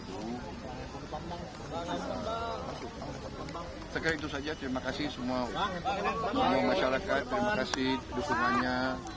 saya kira itu saja terima kasih semua masyarakat terima kasih dukungannya